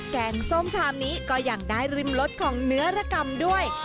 แกงส้มชามนี้ก็ยังได้ริมรสของเนื้อระกรรมด้วย